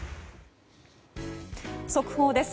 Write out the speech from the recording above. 速報です。